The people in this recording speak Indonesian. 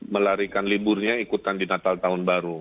melarikan liburnya ikutan di natal tahun baru